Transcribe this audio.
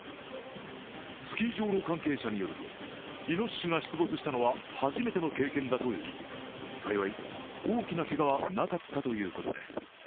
スキー場の関係者によるとイノシシが出没したのは初めての経験だといい、幸い、大きなけがはなかったということです。